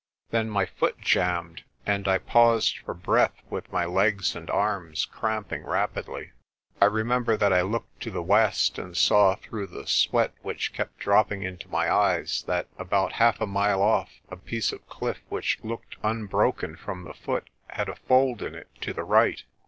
Then my foot jammed, and 62 PRESTER JOHN I paused for breath with my legs and arms cramping rapidly. I remember that I looked to the west, and saw through the sweat which kept dropping into my eyes that about half a mile off a piece of cliff which looked unbroken from the foot had a fold in it to the right.